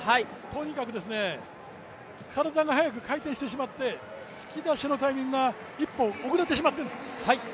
とにかく体が速く回転してしまって突き出しのタイミングが一歩遅れてしまってるんです。